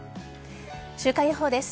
週間予報です。